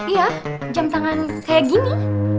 iya jam tangan kayak gini